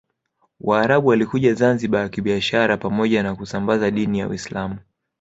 Waarabu walikuja Zanzibar kibiashara pamoja na kusambaza dini ya Uislamu